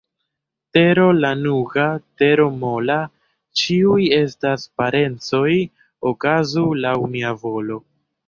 Tero lanuga, tero mola, ĉiuj estas parencoj, okazu laŭ mia volo!